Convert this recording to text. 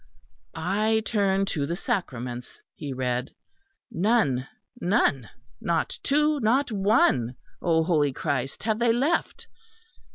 "I turn to the Sacraments," he read, "none, none, not two, not one, O holy Christ, have they left.